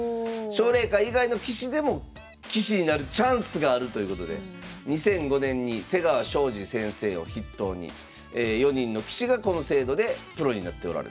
奨励会以外の棋士でも棋士になるチャンスがあるということで２００５年に瀬川晶司先生を筆頭に４人の棋士がこの制度でプロになっておられると。